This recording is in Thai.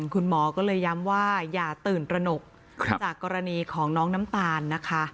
คุณหมอก็เลยย้ำว่าอย่าตื่นตระหนกจากกรณีของน้องน้ำตาลนะคะ